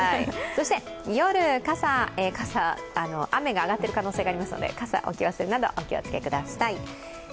そして、夜、雨が上がっている可能性がありますので傘、置き忘れなど、お気をつけください。